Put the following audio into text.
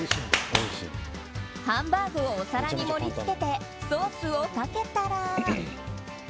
ハンバーグをお皿に盛りつけてソースをかけたら。